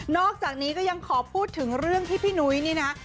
อกจากนี้ก็ยังขอพูดถึงเรื่องที่พี่นุ้ยนี่นะ